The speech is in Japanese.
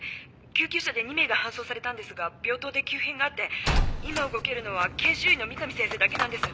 救急車で２名が搬送されたんですが病棟で急変があって今動けるのは研修医の三上先生だけなんです。